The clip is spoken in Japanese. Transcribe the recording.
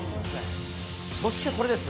そしてこれです。